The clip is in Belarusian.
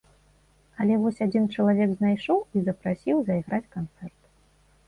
Але вось адзін чалавек знайшоў і запрасіў зайграць канцэрт.